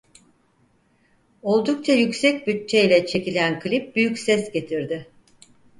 Oldukça yüksek bütçeyle çekilen klip büyük ses getirdi.